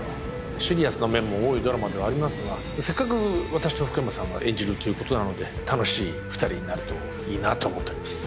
シリアスな面も多いドラマではありますがせっかく私と福山さんが演じるということなので楽しい２人になるといいなと思っております